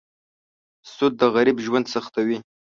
سود د غریب ژوند سختوي.